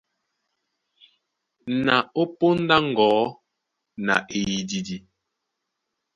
Na ó póndá á ŋgɔ̌ na eyididi.